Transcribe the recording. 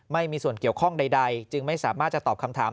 ไม่มีส่วนเกี่ยวข้องใดจึงไม่สามารถจะตอบคำถาม